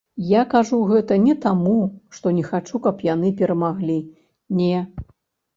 Я кажу гэта не таму, што не хачу, каб яны перамаглі, не.